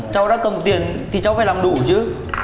cháu đã cầm tiền thì cháu phải làm đủ chứ